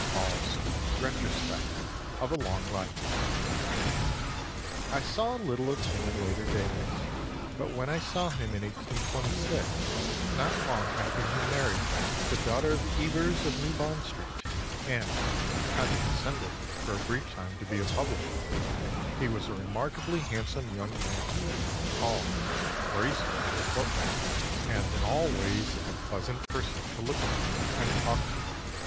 Hall's Retrospect of a Long Life.] "I saw little of him in later days, but when I saw him in 1826, not long after he married the daughter of Ebers of New Bond Street, and 'condescended' for a brief time to be a publisher, he was a remarkably handsome young man tall, graceful in deportment, and in all ways a pleasant person to look upon and talk to.